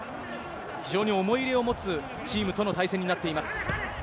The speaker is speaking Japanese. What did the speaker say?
非常に思い入れを持つチームとの対戦になっています。